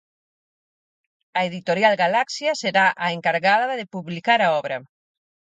A Editorial Galaxia será a encargada de publicar a obra.